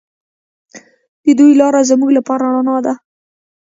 د دوی لاره زموږ لپاره رڼا ده.